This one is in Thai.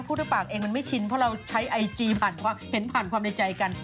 ปากเองมันไม่ชินเพราะเราใช้ไอจีผ่านเห็นผ่านความในใจกัน